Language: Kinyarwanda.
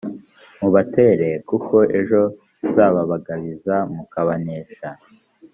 mubatere kuko ejo nzababagabiza mukabanesha